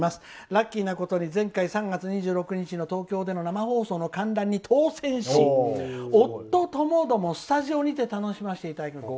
ラッキーなことに前回３月２６日の東京での生放送の観覧に当選し夫ともどもスタジオにて楽しませていただきました」。